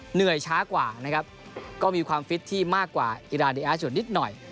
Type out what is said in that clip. เหนื่อยช้ากว่านะครับก็มีความฟิตที่มากกว่าอิราดีอาร์ส่วนนิดหน่อย